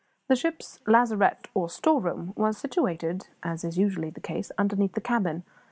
The ship's lazarette, or storeroom, was situated as is usually the case underneath the cabin.